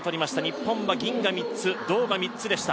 日本は銀が３つ、銅が３つでした。